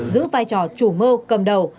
giữ vai trò chủ mơ cầm đầu